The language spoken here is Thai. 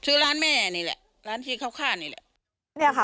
ซื้อร้านแม่นี่แหละร้านที่เขาข้าวนี่แหละ